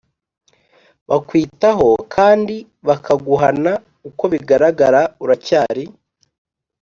bakwitaho kandi bakaguhana Uko bigaragara uracyari